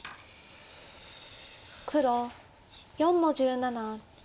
黒４の十七。